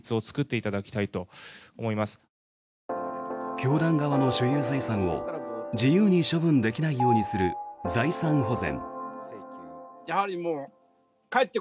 教団側の所有財産を自由に処分できないようにする財産保全。